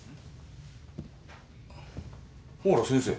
あら先生。